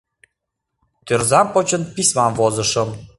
Тӧрзам почын, письмам возышым